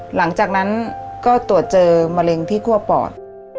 หลังจากนั้นก็ตรวจเจอมะเร็งที่คั่วปอด